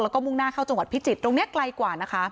แล้วก็มุ่งหน้าเข้าจังหวัดพิจิตรตรงนี้ไกลกว่านะคะ